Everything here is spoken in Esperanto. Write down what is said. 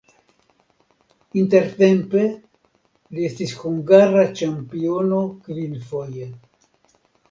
Intertempe li estis hungara ĉampiono kvinfoje.